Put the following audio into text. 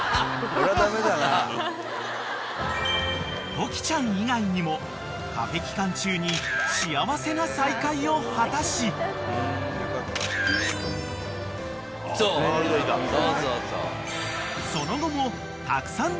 ［トキちゃん以外にもカフェ期間中に幸せな再会を果たし］［その後も］